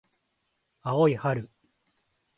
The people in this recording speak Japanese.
青い春